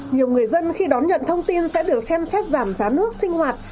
nhiều người dân khi đón nhận thông tin sẽ được xem xét giảm giá nước sinh hoạt